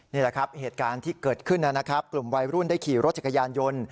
นี่แหละครับเหตุการณ์ที่เกิดขึ้นนะครับกลุ่มวัยรุ่นได้ขี่รถจักรยานยนต์